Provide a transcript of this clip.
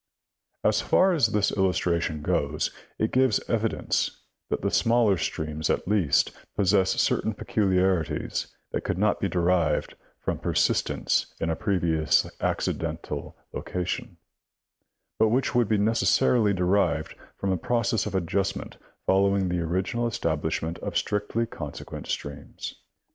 As far as this illustration goes, it gives evidence that the smaller streams at least possess certain peculiarities that could not be derived from persistence in a previous accidental lo cation, but which would be necessarily derived from a process of adjustment following the original establishment of strictly conse quent streams.